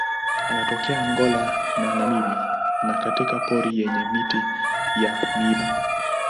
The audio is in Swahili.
Anatokea Angola na Namibia tu katika pori yenye miti ya miiba.